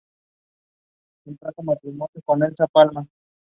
Cloud State in their first championship appearance.